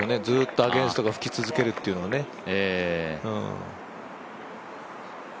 ずっとアゲンストが吹き続けるっていうのはね。